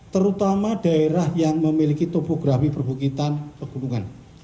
terutama daerah yang memiliki topografi perbukitan pegunungan